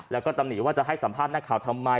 แล้วก็ตำหนิว่าจะให้สัมภาษณ์นักข่าวทำไม